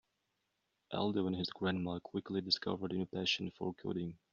Aldo and his grandma quickly discovered a new passion for coding.